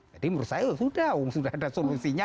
jadi menurut saya sudah sudah ada solusinya